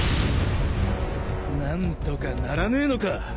何とかならねえのか？